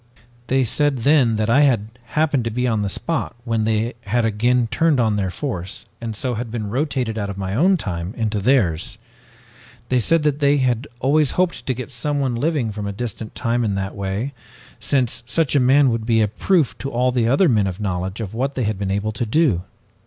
"They said then that I had happened to be on the spot when they had again turned on their force and so had been rotated out of my own time into theirs. They said that they had always hoped to get someone living from a distant time in that way, since such a man would be a proof to all the other men of knowledge of what they had been able to do.